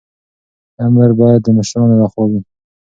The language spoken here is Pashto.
امر باید د مشرانو لخوا وي.